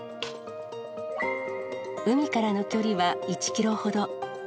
海からの距離は１キロほど。